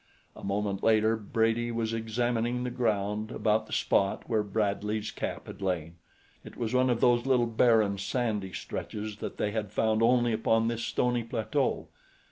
A moment later Brady was examining the ground about the spot where Bradley's cap had lain. It was one of those little barren, sandy stretches that they had found only upon this stony plateau.